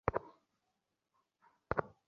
শত্রুসৈন্যের বিন্যস্ত সারিও বৃহদাকার ছিল।